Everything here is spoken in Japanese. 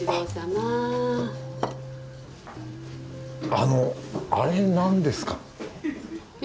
あのあれ何ですか？